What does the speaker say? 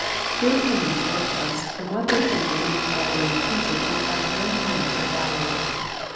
Their opinion is worthless, and what they think of the new Galilean teacher is of no moment or value.